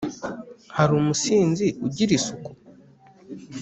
Hari umusinzi ugira isuku.